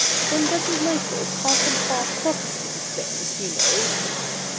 One doesn't like those half and half Protestant things, you know.'